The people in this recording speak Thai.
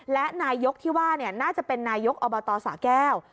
และนายกที่ว่าน่าจะเป็นนายกอบตสาแก้ว